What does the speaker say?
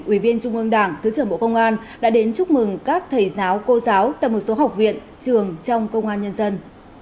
ủy viên trung ương đảng thứ trưởng bộ công an đã đến chúc mừng các thầy giáo cô giáo tại một số học viện trường trong công an nhân dân